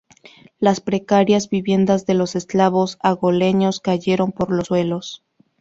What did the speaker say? Las precarias viviendas de los esclavos angoleños cayeron por los suelos.